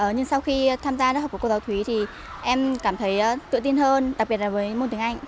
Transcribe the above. nhưng sau khi tham gia lớp học của cô giáo thúy thì em cảm thấy tự tin hơn đặc biệt là với môn tiếng anh